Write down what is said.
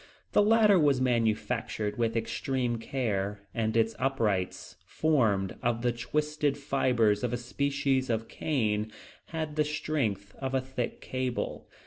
This ladder was manufactured with extreme care, and its uprights, formed of the twisted fibers of a species of cane, had the strength of a thick cable.